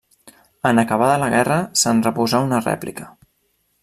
En acabada la guerra, se'n reposà una rèplica.